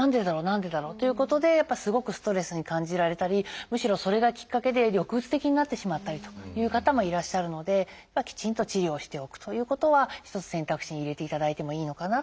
何でだろう？」ということでやっぱりすごくストレスに感じられたりむしろそれがきっかけで抑うつ的になってしまったりという方もいらっしゃるのでやっぱりきちんと治療をしておくということは一つ選択肢に入れていただいてもいいのかなと思います。